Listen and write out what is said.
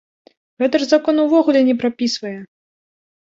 Гэта ж закон увогуле не прапісвае!